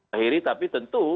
akhiri tapi tentu